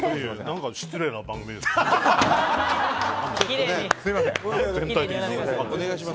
何か失礼な番組ですね。